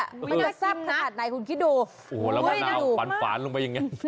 อะมันจะแซ่บขนาดไหนคุณคิดดูโอ้โหแล้วมะนาวฟานฟานลงไปยังไง